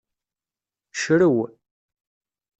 Crew.